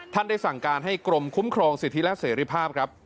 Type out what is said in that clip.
ได้สั่งการให้กรมคุ้มครองสิทธิและเสรีภาพครับ